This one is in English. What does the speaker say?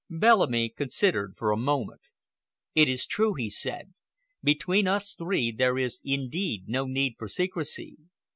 Bellamy considered for a moment. "It is true!" he said. "Between us three there is indeed no need for secrecy.